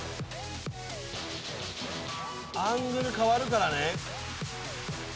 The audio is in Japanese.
アングル変わるからね。